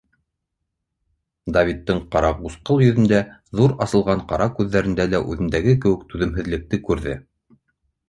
Давидтың ҡарағусҡыл йөҙөндә, ҙур асылған ҡара күҙҙәрендә лә үҙендәге кеүек түҙемһеҙлекте күрҙе.